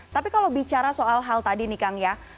tapi kalau bicara soal hal tadi nih kang ya